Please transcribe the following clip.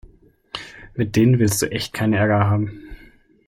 Mit denen willst du echt keinen Ärger haben.